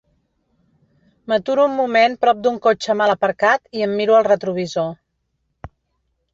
M'aturo un moment prop d'un cotxe mal aparcat i em miro al retrovisor.